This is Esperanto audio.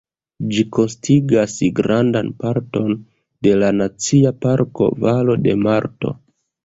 Ĝi konsistigas grandan parton de la Nacia Parko Valo de Morto.